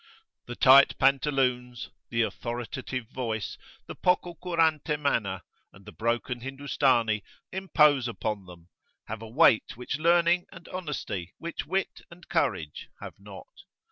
The tight pantaloons, the authoritative voice, the pococurante manner, and the broken Hindustani impose upon them have a weight which learning and honesty, which wit and courage, have not.